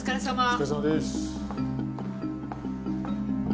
お疲れさまです。